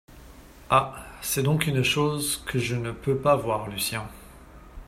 Ah ! c’est donc une chose que je ne peux pas voir Lucien .